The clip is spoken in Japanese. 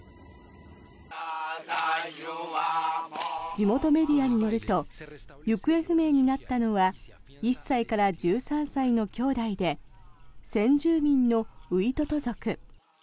地元メディアによると行方不明になったのは１歳から１３歳のきょうだいで先住民のウイトト族。